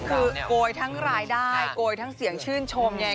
คือโกยทั้งรายได้โกยทั้งเสียงชื่นชมเนี่ย